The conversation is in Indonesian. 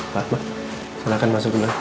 pak pak silahkan masuk dulu